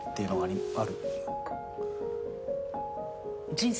人生？